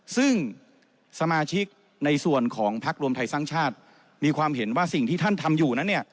ซึ่งสมาชิกในส่วนของพักรวมไทยสร้างชาติมีความเห็นว่าสิ่งที่ท่านทำอยู่นั้นเนี่ย